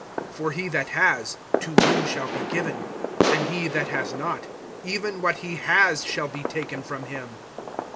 (25)For he that has, to him shall be given; and he that has not, even what he has shall be taken from him.